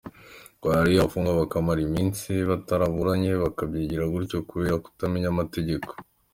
Ngo hari abafungwa bakamara iminsi bataburanye bakabyakira gutyo kubera kutamenya amategeko.